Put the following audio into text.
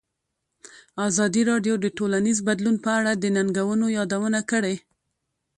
ازادي راډیو د ټولنیز بدلون په اړه د ننګونو یادونه کړې.